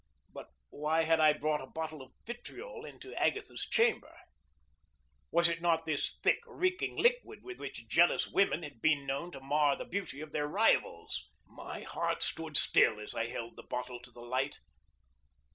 But why had I brought a bottle of vitriol into Agatha's chamber? Was it not this thick, reeking liquid with which jealous women had been known to mar the beauty of their rivals? My heart stood still as I held the bottle to the light.